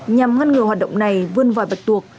nhằm ngăn ngừa hoạt động này vươn vòi vật tuộc